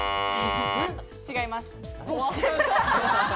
違います。